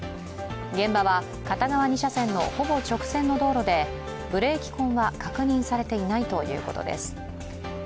現場は片側２車線のほぼ直線の道路でブレーキ痕は確認されていないということです